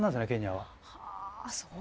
はあそう